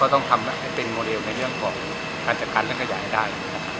เราต้องทำให้เป็นโมเดลในเรื่องของการจัดการและกระยะได้